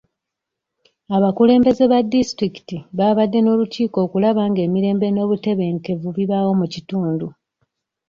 Abakulembeze ba disitulikiti baabadde n'olukiiko okulaba ng'emirembe n'obutebenkevu bibaawo mu kitundu.